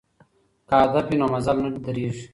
که هدف وي نو مزل نه دریږي.